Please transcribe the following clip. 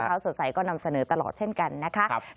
เช้าสดใสก็นำเสนอตลอดเช่นกันนะคะ